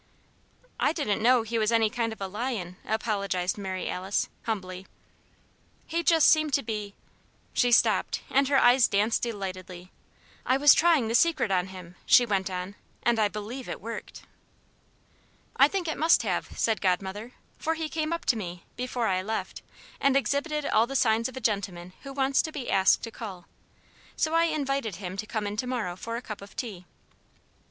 "I didn't know he was any kind of a lion," apologized Mary Alice, humbly. "He just seemed to be " She stopped, and her eyes danced delightedly. "I was trying the Secret on him," she went on, "and I believe it worked." "I think it must have," said Godmother, "for he came up to me, before I left, and exhibited all the signs of a gentleman who wants to be asked to call. So I invited him to come in to morrow for a cup of tea."